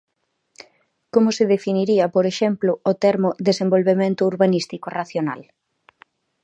¿Como se definiría, por exemplo, o termo "desenvolvemento urbanístico racional"?